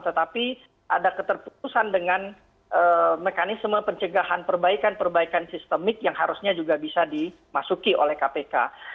tetapi ada keterputusan dengan mekanisme pencegahan perbaikan perbaikan sistemik yang harusnya juga bisa dimasuki oleh kpk